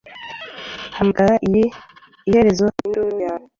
Hamagara iyi iherezo, induru yawe